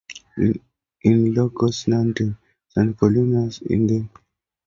In Ilocos Norte, San Nicolas is the only one who has new car dealers.